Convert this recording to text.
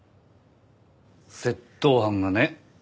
窃盗犯がね